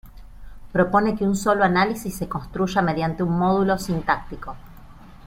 Propone que un solo análisis se construya mediante un módulo sintáctico.